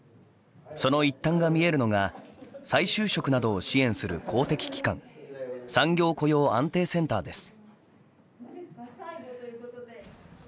その一端が見えるのが再就職などを支援する公的機関産業雇用安定センターです。